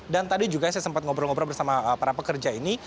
dan tadi juga saya sempat ngobrol ngobrol bersama para pekerja ini